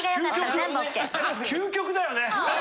究極だよね。